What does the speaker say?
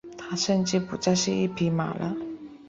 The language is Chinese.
他甚至不再是一匹马了。